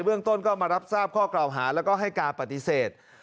เรื่องต้นก็มารับทราบข้อกล่าวหาแล้วก็ให้การปฏิเสธ